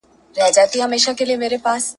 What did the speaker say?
د تورو شپو په لړمانه کي به ډېوې بلېدې ..